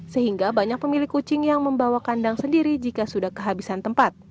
sehingga banyak pemilik kucing yang membawa kandang sendiri jika sudah kehabisan tempat